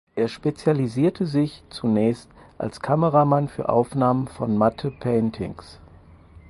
Er spezialisierte sich zunächst als Kameramann für Aufnahmen von Matte Paintings.